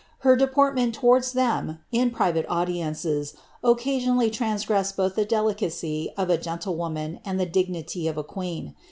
her deportment toward; private audiences orcasionally transgressed both llie delicacy tlettoman and the dignity of a queen.